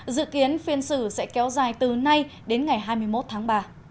dự kiến phiên xử sẽ kéo dài từ nay đến ngày hai mươi một tháng ba